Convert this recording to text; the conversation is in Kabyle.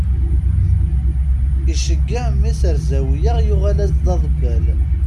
Iceyyeɛ mmi-s ar zawiya, yuɣal-as-d d aḍebbal.